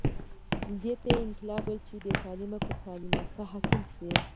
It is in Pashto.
دې ته یې انقلاب ویل چې بې تعلیمه پر تعلیم یافته حاکم شي.